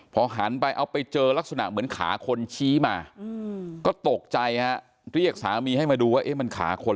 พอหันไปเอาไปเจอลักษณะเหมือนขาคนชี้มาก็ตกใจฮะเรียกสามีให้มาดูว่ามันขาคน